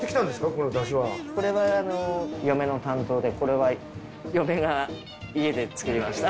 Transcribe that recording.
これは嫁の担当でこれは嫁が家で作りました。